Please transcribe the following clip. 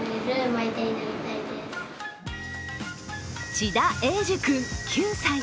千田栄樹君、９歳。